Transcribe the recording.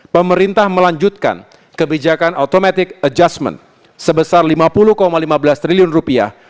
pemerintah melanjutkan kebijakan automatic adjustment sebesar lima puluh lima belas triliun rupiah